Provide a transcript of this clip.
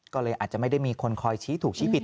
ก็เลยอาจจะไม่ได้มีคนคอยชี้ถูกชี้ผิด